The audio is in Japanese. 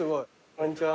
こんにちは。